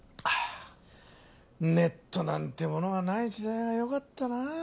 あネットなんてものがない時代はよかったな。